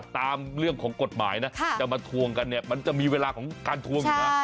ตามเรื่องของกฎหมายนะจะมาทวงกันเนี่ยมันจะมีเวลาของการทวงอยู่นะ